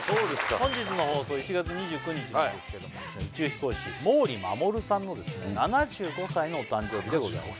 本日の放送１月２９日なんですけど宇宙飛行士毛利衛さんの７５歳のお誕生日でございます